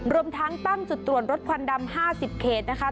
รวมทั้งตั้งจุดตรวจรถควันดำ๕๐เขตนะคะ